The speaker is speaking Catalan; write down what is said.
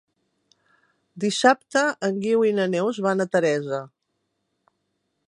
Dissabte en Guiu i na Neus van a Teresa.